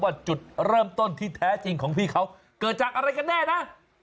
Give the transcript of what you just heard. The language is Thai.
จุดเริ่มต้นที่แท้จริงของพี่เขาเกิดจากอะไรกันแน่นะ